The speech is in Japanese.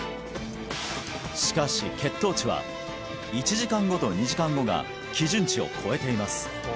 しかし血糖値は１時間後と２時間後が基準値を超えています